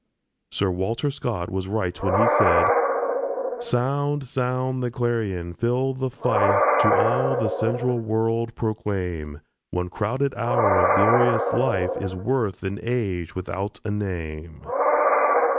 Sir Walter Scott was right when he said: "Sound, sound the clarion, fill the fife, To all the sensual world proclaim: One crowded hour of glorious life Is worth an age without a name."